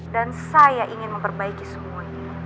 dan saya ingin memperbaiki semua ini